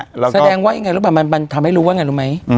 แสดงว่าอย่างไรรู้หรือเปล่ามันทำให้รู้ว่าอย่างไรรู้ไหม